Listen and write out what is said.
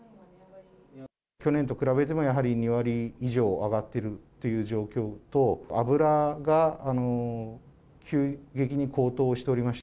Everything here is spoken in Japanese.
去年と比べても、やはり２割以上上がっているという状況と、油が急激に高騰しております。